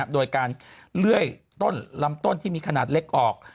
โดยการเลื่อยต้นลำต้นที่มีขนาดเล็กออก